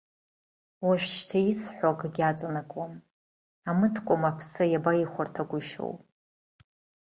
Уажәшьҭа исҳәо акгьы аҵанакуам, амыткәма аԥсы иабаихәарҭагәышьоу!